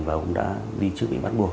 và cũng đã đi trước bị bắt buộc